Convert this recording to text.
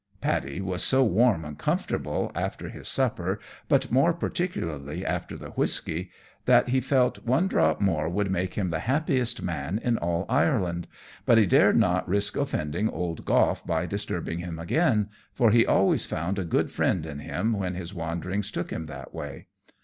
Paddy was so warm and comfortable after his supper, but more particularly after the whisky, that he felt one drop more would make him the happiest man in all Ireland; but he dared not risk offending old Goff by disturbing him again, for he always found a good friend in him when his wanderings took him that way.